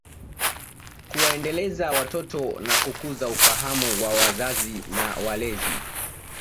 Kuwaendeleza watoto na kukuza ufahamu wa wazazi na walezi